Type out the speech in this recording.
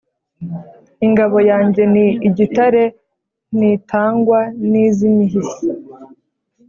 Ingabo yanjye ni igitare ntitangwa n’ iz’ imihisi